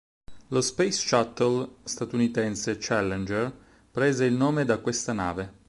Lo Space Shuttle statunitense "Challenger" prese il nome da questa nave.